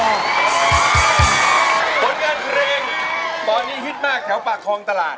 คนเงินเกรงปอนนี้ฮิตมากแถวป่าทองตลาด